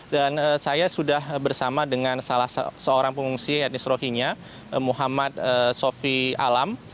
dan saya sudah bersama dengan salah seorang pengungsi etnis rohinia muhammad sofi alam